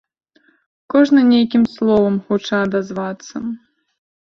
Кожны нейкім словам хоча адазвацца.